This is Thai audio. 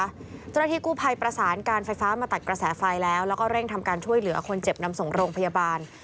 เจ้าหน้าที่กู้ภัยประสานการไฟฟ้ามาตัดกระแสไฟแล้วแล้วก็เร่งทำการช่วยเหลือคนเจ็บนำส่งโรงพยาบาล